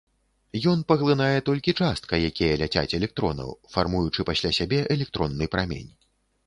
Ён паглынае толькі частка якія ляцяць электронаў, фармуючы пасля сябе электронны прамень.